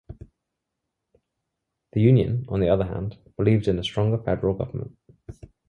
The Union, on the other hand, believed in a stronger federal government.